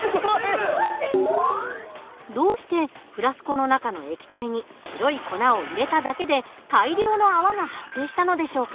どうしてフラスコの中の液体に白い粉を入れただけで大量の泡が発生したのでしょうか？